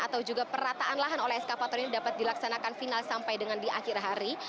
atau juga perataan lahan oleh eskavator ini dapat dilaksanakan final sampai dengan di akhir hari